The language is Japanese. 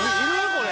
これ。